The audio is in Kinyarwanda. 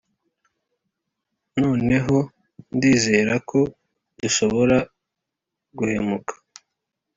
noneho, ndizera ko dushobora guhemuka